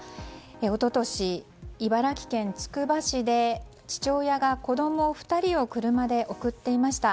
一昨年、茨城県つくば市で父親が子供２人を車で送っていました。